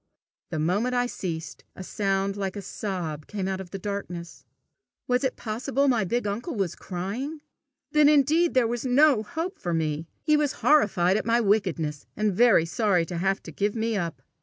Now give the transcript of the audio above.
The moment I ceased, a sound like a sob came out of the darkness. Was it possible my big uncle was crying? Then indeed there was no hope for me! He was horrified at my wickedness, and very sorry to have to give me up!